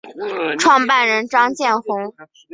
创办人张建宏。